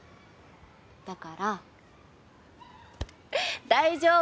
だから大丈夫！